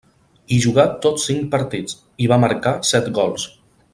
Hi jugà tots cinc partits, i va marcar set gols.